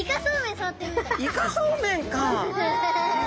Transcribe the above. イカそうめんかあ。